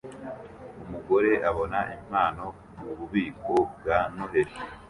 Umugore abona impano mububiko bwa Noheri